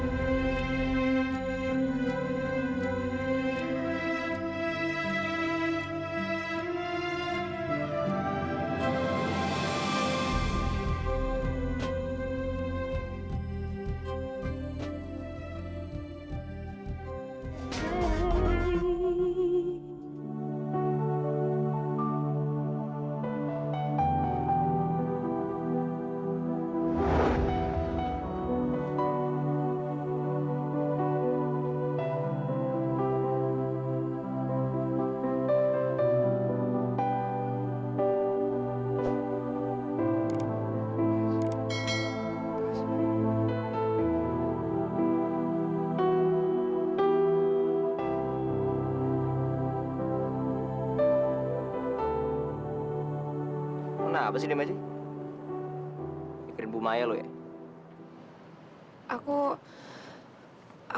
siapa namanya ch laisser parter corep mereka